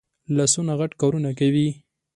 لاسونه غټ کارونه کوي